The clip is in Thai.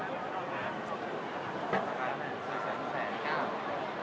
สวัสดีครับสวัสดีครับ